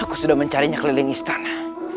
aku sudah mencarinya keliling istana